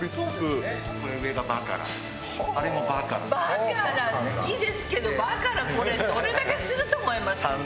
バカラ好きですけどバカラこれどれだけすると思います？